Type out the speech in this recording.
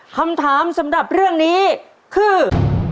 คำถามสำหรับเรื่องนี้คือ